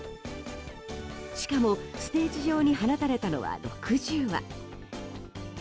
しかもステージ上に放たれたのは６０羽。